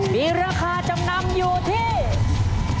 มีราคาจำนำอยู่ที่